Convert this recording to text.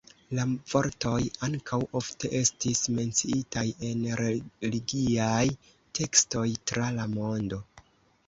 La vortoj ankaŭ ofte estis menciitaj en religiaj tekstoj tra la mondo.